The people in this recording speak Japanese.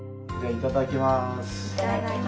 いただきます。